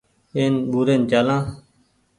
اين ٻورين چآلآن ۔